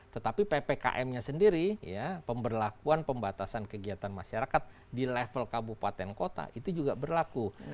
tetapi ppkm nya sendiri ya pemberlakuan pembatasan kegiatan masyarakat di level kabupaten kota itu juga berlaku